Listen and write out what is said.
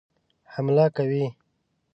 حمله کوي.